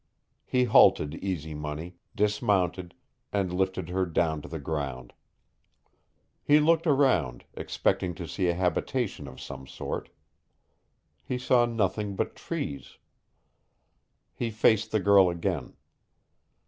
He halted Easy Money, dismounted, and lifted her down to the ground. He looked around, expecting to see a habitation of some sort. He saw nothing but trees. He faced the girl again.